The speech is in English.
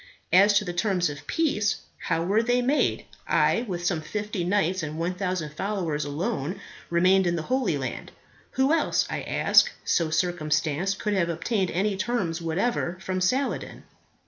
As to the terms of peace, how were they made? I, with some fifty knights and 1000 followers alone remained in the Holy Land. Who else, I ask, so circumstanced, could have obtained any terms whatever from Saladin?